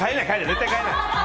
絶対変えない！